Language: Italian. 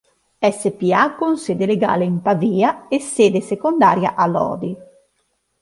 SpA con sede legale in Pavia e sede secondaria a Lodi.